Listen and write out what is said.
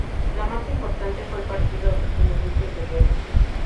La más importante fue la del Partido Comunista Italiano.